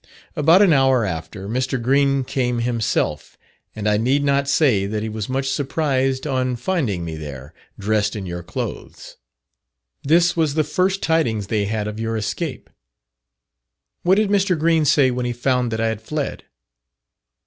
About an hour after, Mr. Green came himself, and I need not say that he was much surprised on finding me there, dressed in your clothes. This was the first tidings they had of your escape." "What did Mr. Green say when he found that I had fled?"